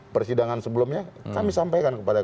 persidangan sebelumnya kami sampaikan kepada